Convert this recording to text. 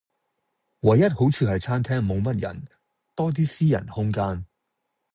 唯一好處係餐廳無乜人，多啲私人空間